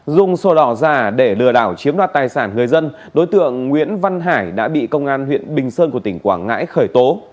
dùng sổ đỏ giả để lừa đảo chiếm đoạt tài sản người dân đối tượng nguyễn văn hải đã bị công an huyện bình sơn của tỉnh quảng ngãi khởi tố